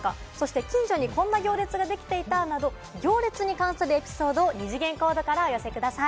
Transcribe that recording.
そして近所にこんな行列ができていたなど行列に関するエピソードを二次元コードからお寄せください。